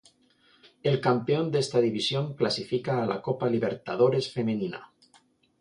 El campeón de esta división clasifica a la Copa Libertadores Femenina.